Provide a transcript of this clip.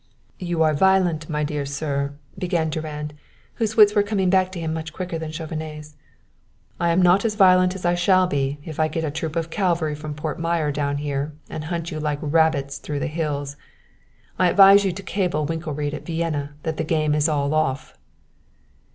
"You are violent, my dear sir " began Durand, whose wits were coming back to him much quicker than Chauvenet's. "I am not as violent as I shall be if I get a troop of cavalry from Port Myer down here and hunt you like rabbits through the hills. And I advise you to cable Winkelried at Vienna that the game is all off!"